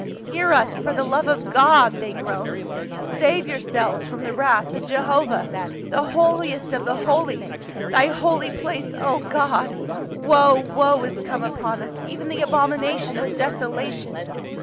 "Hear us for the love of God !" they groaned. " Save yourselves from the wrath of Jehovah !— The Holiest of the Holies !— Thy Holy Place, oh God !— Woe, woe is come upon us — even the abomination of desolation